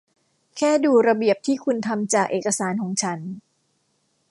แค่ดูระเบียบที่คุณทำจากเอกสารของฉัน